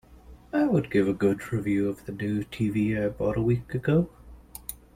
I would give a good review of the new TV I bought a week ago.